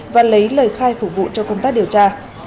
và lấy lời khai phục vụ cho công tác điều tra